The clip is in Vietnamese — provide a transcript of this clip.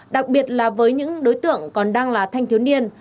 đặc biệt là với những đối tượng còn đang là thanh thiếu niên